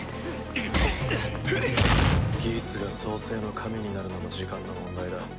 ギーツが創世の神になるのも時間の問題だ。